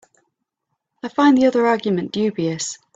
I find the other argument dubious.